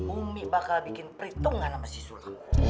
umi bakal bikin perhitungan sama si sulam